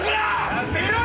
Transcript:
やってみろ！